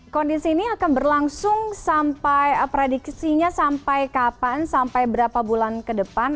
kondisi ini akan berlangsung sampai prediksinya sampai kapan sampai berapa bulan ke depan